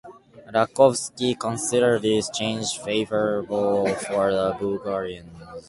Rakovski considered these changes favorable for the Bulgarians.